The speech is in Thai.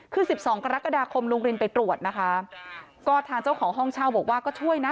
คือสิบสองกรกฎาคมลุงรินไปตรวจนะคะก็ทางเจ้าของห้องเช่าบอกว่าก็ช่วยนะ